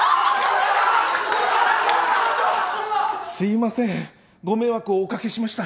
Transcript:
すいませんご迷惑をおかけしました。